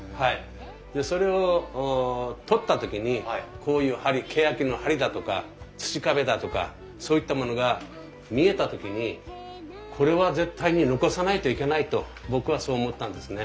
それを取った時にこういうけやきの梁だとか土壁だとかそういったものが見えた時にこれは絶対に残さないといけないと僕はそう思ったんですね。